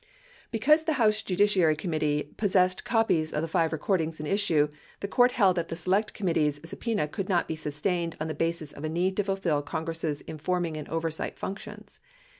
Because the House Judiciary Committee possessed copies of the five recordings in issue, the court held that the Select Committee's sub pena could not be sustained on the basis of a need to fulfill Congress' informing and oversight functions.